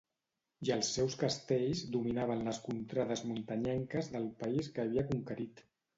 I els seus castells dominaven les contrades muntanyenques del país que havia conquerit.